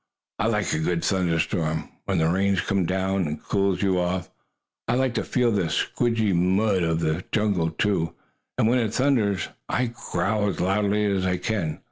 "I like a good thunder storm, where the rain comes down and cools you off! I like to feel the squidgie mud of the jungle, too, and when it thunders I growl as loudly as I can.